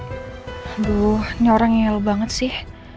aduh ini orangnya el banget sih